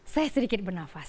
saya sedikit bernafas